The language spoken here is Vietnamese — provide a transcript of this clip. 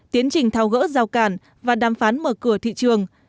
tiến trình thao gỡ rào cản và đàm phán mở cửa thị trường